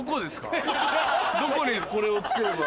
どこにこれを付ければ。